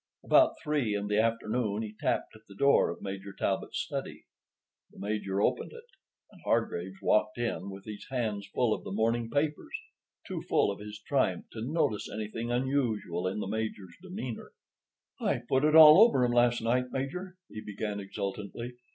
About three in the afternoon he tapped at the door of Major Talbot's study. The Major opened it, and Hargraves walked in with his hands full of the morning papers—too full of his triumph to notice anything unusual in the Major's demeanor. "I put it all over 'em last night, Major," he began exultantly.